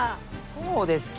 そうですき！